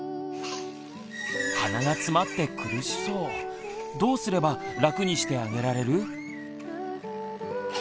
鼻がつまって苦しそうどうすれば楽にしてあげられる？